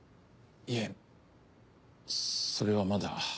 いえそれはまだ。